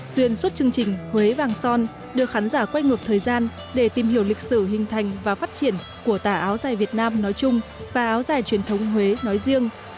xuyên suốt chương trình huế vàng son đưa khán giả quay ngược thời gian để tìm hiểu lịch sử hình thành và phát triển của tà áo dài việt nam nói chung và áo dài truyền thống huế nói riêng